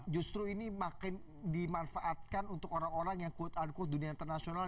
justru ini makin dimanfaatkan untuk orang orang yang quote unquote dunia internasional